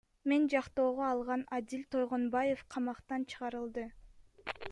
Мен жактоого алган Адил Тойгонбаев камактан чыгарылды.